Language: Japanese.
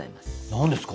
何ですか？